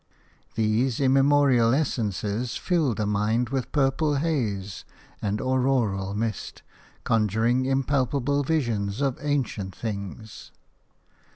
These immemorial essences fill the mind with purple haze and auroral mist, conjuring impalpable visions of ancient things.